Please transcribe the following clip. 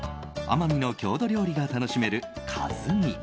奄美の郷土料理が楽しめるかずみ。